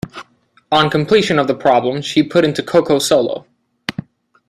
On completion of the problem, she put into Coco Solo.